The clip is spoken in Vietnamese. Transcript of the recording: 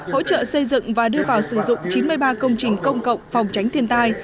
hỗ trợ xây dựng và đưa vào sử dụng chín mươi ba công trình công cộng phòng tránh thiên tai